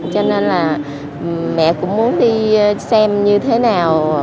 cho nên là mẹ cũng muốn đi xem như thế nào